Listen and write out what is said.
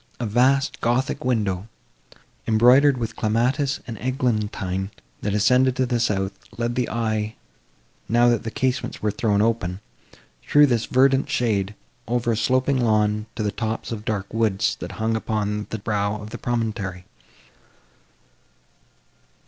A vast gothic window, embroidered with clematis and eglantine, that ascended to the south, led the eye, now that the casements were thrown open, through this verdant shade, over a sloping lawn, to the tops of dark woods, that hung upon the brow of the promontory.